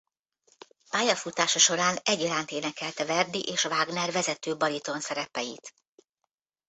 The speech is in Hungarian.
Pályafutása során egyaránt énekelte Verdi és Wagner vezető bariton szerepeit.